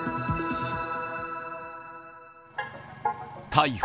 逮捕